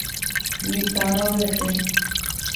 Mitã roryete